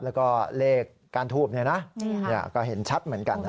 แล้วก็เลขก้านทูบก็เห็นชัดเหมือนกันนะ